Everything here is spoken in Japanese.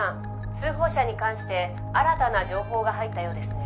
通報者に関して新たな情報が入ったようですね」